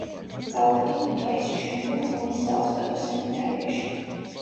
სწავლობდა ქუთაისში, შემდეგ ხონის საოსტატო სემინარიაში.